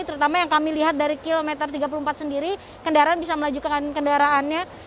terutama yang kami lihat dari kilometer tiga puluh empat sendiri kendaraan bisa melaju ke kendaraannya